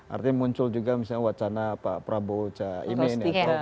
artinya muncul juga misalnya wacana pak prabowo cahimin ya